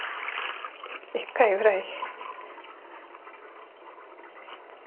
１回ぐらい。